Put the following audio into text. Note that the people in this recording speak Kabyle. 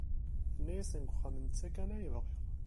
Tenna-yasen deg uxxam d netta kan ay bɣiɣ.